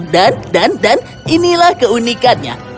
dan dan dan inilah keunikannya